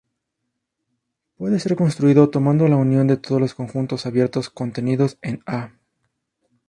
Puede ser construido tomando la unión de todos los conjuntos abiertos contenidos en "A".